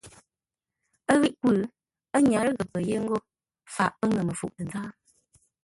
Ə́ ghíʼ kwʉ́, ə́ nyárə́ ghəpə́ yé ńgó faʼ pə́ ŋə́ məfuʼ tə nzáa.